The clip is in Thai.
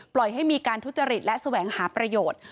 ให้มีการทุจริตและแสวงหาประโยชน์